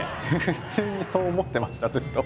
普通にそう思ってましたずっと。